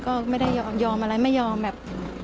ก็ไม่ได้ยอมอะไรไม่ยอมแบบ